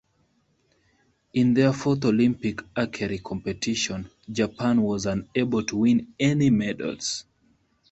In their fourth Olympic archery competition, Japan was unable to win any medals.